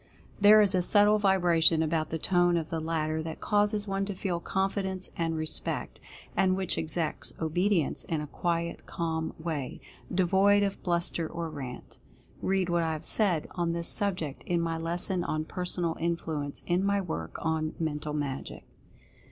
There is a subtle vibration about the tone of the latter that causes one to feel confidence and respect, and which exacts obedience in a quiet, calm way, devoid of bluster or rant. Read what I have said on this subject, in my lesson on "Personal Influence" in my work on "Mental Magic."